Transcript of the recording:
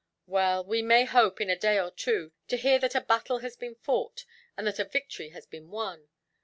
"Well, we may hope, in a day or two, to hear that a battle has been fought, and that a victory has been won.